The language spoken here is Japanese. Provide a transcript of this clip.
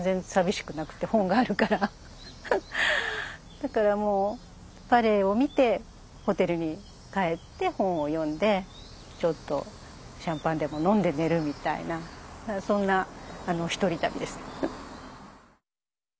だからもうバレエを見てホテルに帰って本を読んでちょっとシャンパンでも飲んで寝るみたいなそんな一人旅です。